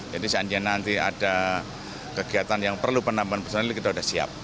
jadi seandainya nanti ada kegiatan yang perlu penambahan personal kita sudah siap